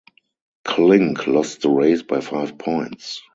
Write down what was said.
Klink lost the race by five points.